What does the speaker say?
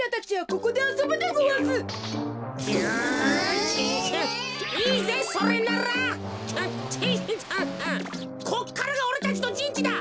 こっからがおれたちのじんちだ。